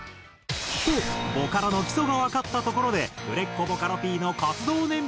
とボカロの基礎がわかったところで売れっ子ボカロＰの活動年表を。